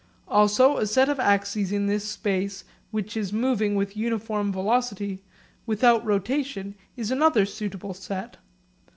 Also a set of axes in this space which is moving with uniform velocity without rotation is another suitable set.